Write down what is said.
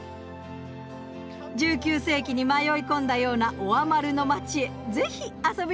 １９世紀に迷い込んだようなオアマルの街へぜひ遊びに来てくださいね。